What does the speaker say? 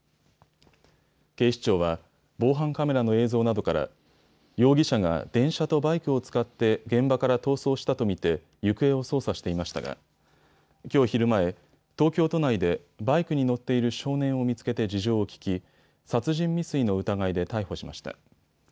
警視庁は防犯カメラの映像などから容疑者が電車とバイクを使って現場から逃走したと見て行方を捜査していましたがきょう昼前、東京都内でバイクに乗っている少年を見つけて事情を聴き殺人未遂の疑いで逮捕しました。